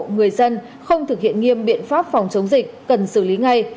người dân không thực hiện nghiêm biện pháp phòng chống dịch cần xử lý ngay